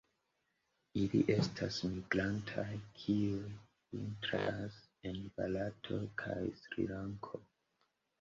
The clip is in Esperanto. Ili estas migrantaj, kiuj vintras en Barato kaj Srilanko.